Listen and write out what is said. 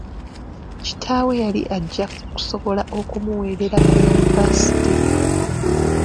Kitaawe yali ajja kusobola okumuweerera ku yunivaasite.